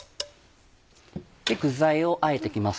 具材をあえて行きます。